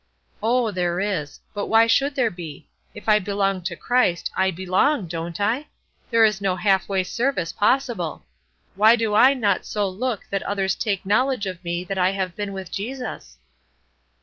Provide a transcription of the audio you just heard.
"Oh, there is. But why should there be? If I belong to Christ, I belong, don't I? There is no half way service possible. Why do I not so look that others take knowledge of me that I have been with Jesus?"